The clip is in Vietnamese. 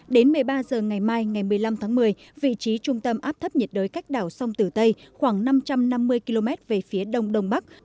đến một mươi ba giờ ngày mai ngày một mươi năm tháng một mươi vị trí trung tâm áp thấp nhiệt đới cách đảo sông tử tây khoảng năm trăm năm mươi km về phía đông đông bắc